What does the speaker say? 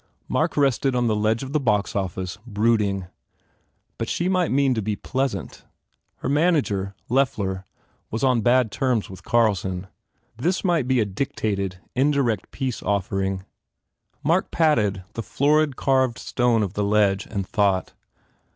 Mark rested on the ledge of the box office, brooding. But she might mean to be pleasant. Her manager, Loeffler, was on bad 51 THE FAIR REWARDS terms with Carlson. This might be a dictated, indirect peace offering. Mark patted the florid carved stone of the ledge and thought.